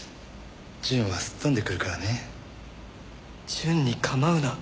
淳に構うな。